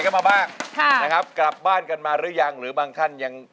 ครับกลับบ้านกันมาหรือยังหรือบางท่านยัง